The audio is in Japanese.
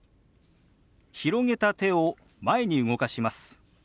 広げた手を前に動かします。